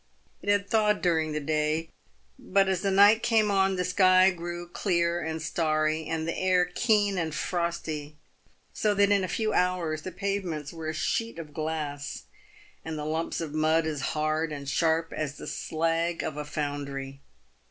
It had thawed during the day, but as the night came on, the sky grew clear and starry and the air keen and frosty, so that in a few hours the pavements were a sheet of glass, and the lumps of mud as hard and sharp as the slag of a foundry.